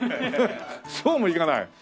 そうもいかない。